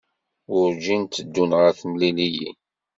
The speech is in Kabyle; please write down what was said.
Werǧin tteddun ɣer temliliyin.